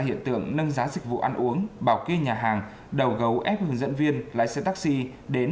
hiện tượng nâng giá dịch vụ ăn uống bảo kê nhà hàng đầu gấu ép hướng dẫn viên lái xe taxi đến